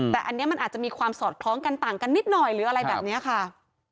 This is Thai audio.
แต่อันนี้มันอาจจะมีความสอดคล้องกันต่างกันนิดหน่อยหรืออะไรแบบนี้ค่ะ